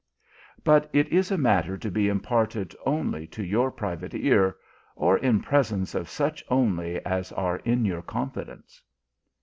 But it is a matter to be imparted only to your private ear, or in presence of such only as are in your confidence."